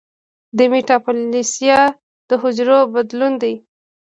د میټاپلاسیا د حجرو بدلون دی.